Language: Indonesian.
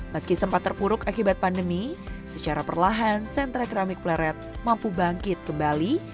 meski sempat terpuruk akibat pandemi secara perlahan sentra keramik pleret mampu bangkit kembali